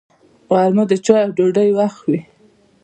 غرمه د چایو او ډوډۍ وخت وي